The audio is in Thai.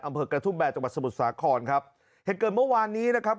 อำเภอกระทุ่มแบนจังหวัดสมุทรสาครครับเหตุเกิดเมื่อวานนี้นะครับ